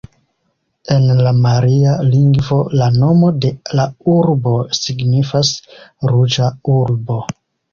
En la maria lingvo la nomo de la urbo signifas “ruĝa urbo”.